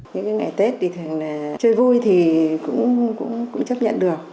những ngày tết thì thường là chơi vui thì cũng chấp nhận được